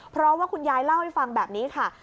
เพราะว่าคุณยายเล่าให้ฟังแบบนี้ค่ะ